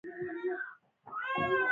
آیا تاجکستان ته سمنټ ورکوو؟